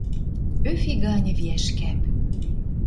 Ӧфи ганьы виӓш кӓп...